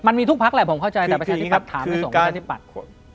มันมีทุกพักแหละผมเข้าใจแต่ประชาธิปัตย์ถามไปสองประชาธิปัตย์